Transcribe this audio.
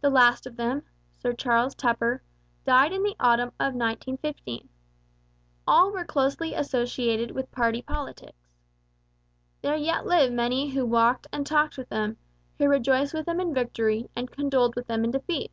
The last of them, Sir Charles Tupper, died in the autumn of 1915. All were closely associated with party politics. There yet live many who walked and talked with them, who rejoiced with them in victory and condoled with them in defeat.